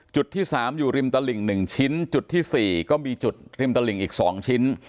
จุดที่๓อยู่ริมตลิ่ง๑ชิ้นจุดที่๔ก็มีจุดริมตลิ่งอีก๒ชิ้น